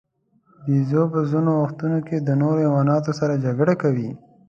بیزو په ځینو وختونو کې د نورو حیواناتو سره جګړه کوي.